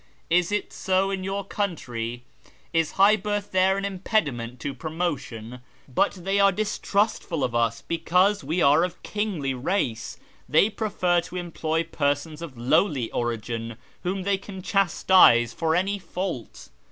Is it so in your country ? Is high birth there an impediment to promotion ? But they are distrustful of us because we are of kingly race. They prefer to employ persons of lowly origin, whom they can chastise for any fault.